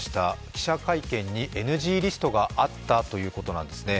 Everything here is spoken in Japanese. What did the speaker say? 記者会見にＮＧリストがあったということなんですね。